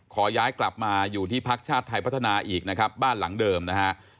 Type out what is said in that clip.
ขอย้ายกลับมาอยู่ที่พักชาติไทยพัฒนาอีกนะครับบ้านหลังเดิมนะฮะ